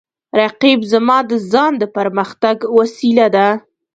رقیب زما د ځان د پرمختګ وسیله ده